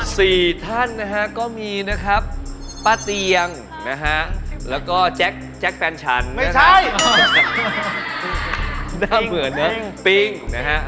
สี่ท่านนะฮะก็มีนะครับป้าเตียงนะฮะแล้วก็แจ๊กแจ๊กแฟนชันไม่ใช่